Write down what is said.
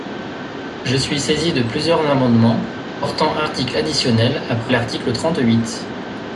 Je suis saisi de plusieurs amendements portant article additionnel après l’article trente-huit.